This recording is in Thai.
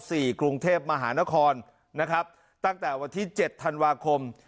กรุงเทพมหานครนะครับตั้งแต่วันที่เจ็ดธันวาคม